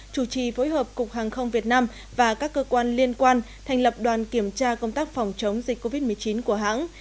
chủ trì phối hợp cục hàng không việt nam và các cơ quan liên quan thành lập đoàn kiểm tra công tác phòng chống dịch covid một mươi chín của hãng